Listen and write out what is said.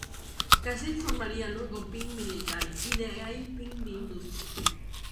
Casey formaría luego Pink Military, y de ahí Pink Industry.